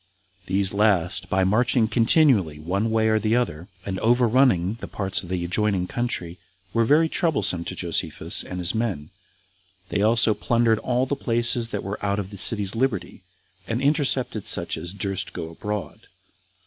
These last, by marching continually one way or other, and overrunning the parts of the adjoining country, were very troublesome to Josephus and his men; they also plundered all the places that were out of the city's liberty, and intercepted such as durst go abroad.